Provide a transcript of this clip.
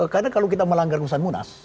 karena kalau kita melanggar keputusan munas